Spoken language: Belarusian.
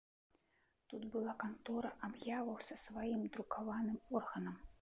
Тут была кантора аб'яваў са сваім друкаваным органам.